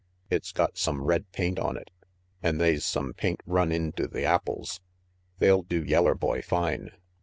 It's got some red paint on it, an' they's some paint run into the apples. They'll do yeller boy fine.